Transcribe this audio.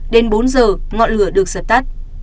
đến bốn giờ ngọn lửa được dập tắt